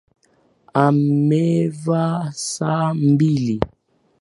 Amevaa saa mbili